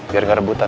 biar gak rebutan